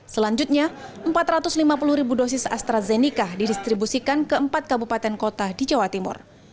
selanjutnya empat ratus lima puluh ribu dosis astrazeneca didistribusikan ke empat kabupaten kota di jawa timur